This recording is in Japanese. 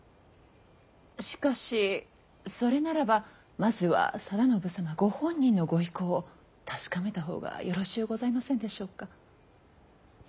しかしそれならばまずは定信様ご本人のご意向を確かめたほうがよろしうございませんでしょうか。